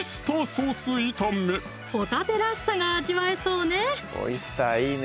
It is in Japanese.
ホタテらしさが味わえそうね